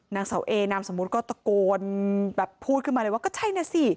นางเสาเอนามสมมุติก็ตะโกนแบบพูดขึ้นมาเลยว่าก็ใช่นะสิ